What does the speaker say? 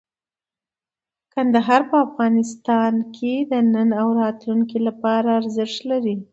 کندهار په افغانستان کې د نن او راتلونکي لپاره ارزښت لري.